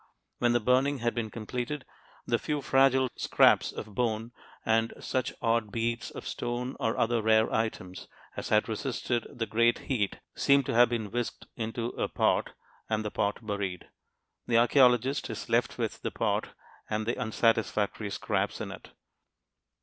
When the burning had been completed, the few fragile scraps of bone and such odd beads of stone or other rare items as had resisted the great heat seem to have been whisked into a pot and the pot buried. The archeologist is left with the pot and the unsatisfactory scraps in it.